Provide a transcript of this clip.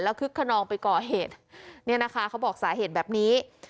คึกขนองไปก่อเหตุเนี่ยนะคะเขาบอกสาเหตุแบบนี้